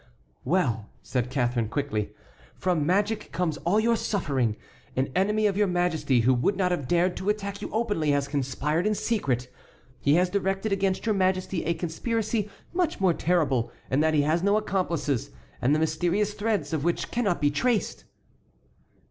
"Well," said Catharine, quickly, "from magic comes all your suffering. An enemy of your Majesty who would not have dared to attack you openly has conspired in secret. He has directed against your Majesty a conspiracy much more terrible in that he has no accomplices, and the mysterious threads of which cannot be traced."